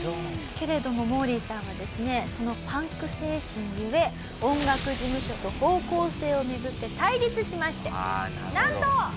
けれどもモーリーさんはですねそのパンク精神ゆえ音楽事務所と方向性を巡って対立しましてなんと！